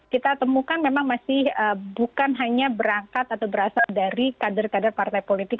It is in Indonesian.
kita temukan memang masih bukan hanya berangkat atau berasal dari kader kader partai politik